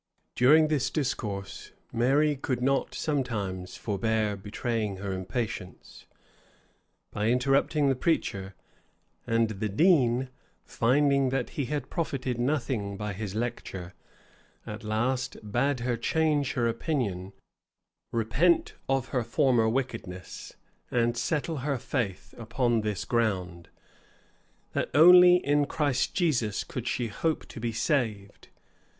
[*] During this discourse, Mary could not sometimes forbear betraying her impatience, by interrupting the preacher; and the dean, finding that he had profited nothing by his lecture, at last bade her change her opinion, repent her of her former wickedness, and settle her faith upon this ground, that only in Christ Jesus could she hope to be saved.